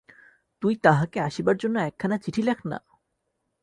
তুই তাঁহাকে আসিবার জন্য একখানা চিঠি লেখ না।